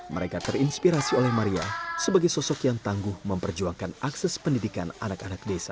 mereka terinspirasi oleh maria sebagai sosok yang tangguh memperjuangkan akses pendidikan anak anak desa